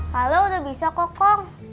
kalo udah bisa kok kong